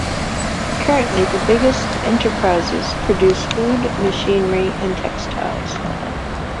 Currently, the biggest enterprises produce food, machinery, and textiles.